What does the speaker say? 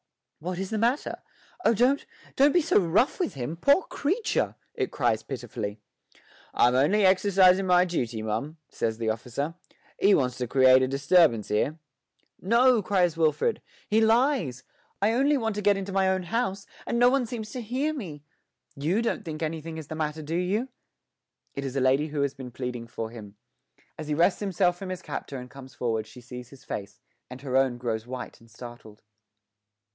'What is the matter? Oh, don't don't be so rough with him, poor creature!' it cries pitifully. 'I'm only exercisin' my duty, mum,' says the officer; 'he wants to create a disturbance 'ere.' 'No,' cries Wilfred, 'he lies! I only want to get into my own house, and no one seems to hear me. You don't think anything is the matter, do you?' It is a lady who has been pleading for him; as he wrests himself from his captor and comes forward she sees his face, and her own grows white and startled.